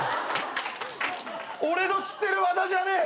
俺の知ってる和田じゃねえ。